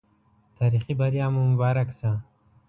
تاريخي بریا مو مبارک سه